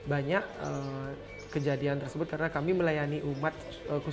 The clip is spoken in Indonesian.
banyak kejadian tersebut karena kami tidak bisa masuk ke hal tersebut